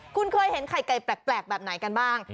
คุณเคยเห็นไข่ไก่แปลกแบบไหนกันบ้าง